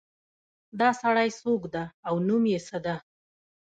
دا سړی څوک ده او نوم یې څه ده